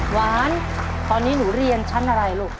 หวานตอนนี้หนูเรียนชั้นอะไรลูก